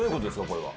これは。